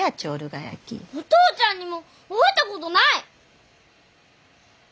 お父ちゃんにも会うたことない！